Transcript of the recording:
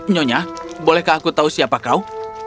nyonya bolehkah aku tahu siapa kau